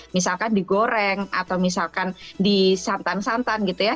misalkan digoreng atau misalkan di santan santan gitu ya